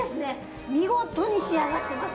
見事に仕上がってます！